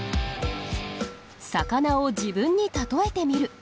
魚を自分に例えてみる。